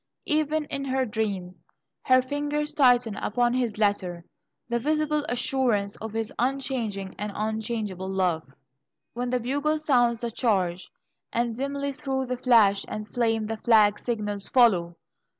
Even in her dreams, her fingers tighten upon his letter the visible assurance of his unchanging and unchangeable love. When the bugle sounds the charge, and dimly through the flash and flame the flag signals "Follow!"